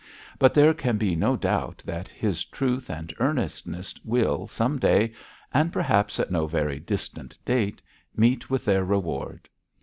But there can be no doubt that his truth and earnestness will, some day and perhaps at no very distant date meet with their reward.